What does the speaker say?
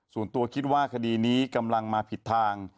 ส่วนตัวคิดว่าคดีนี้กำลังมาผิดทาง